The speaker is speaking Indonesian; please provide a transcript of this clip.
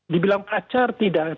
dibilang pacar tidak